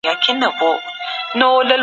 روښانه فکر روغتیا نه زیانمنوي.